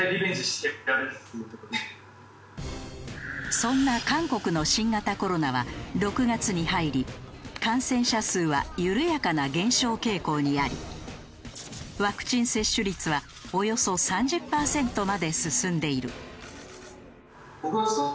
そんな韓国の新型コロナは６月に入り感染者数は緩やかな減少傾向にありワクチン接種率はおよそ３０パーセントまで進んでいる。